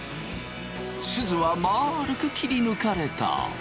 すずはまるく切り抜かれた。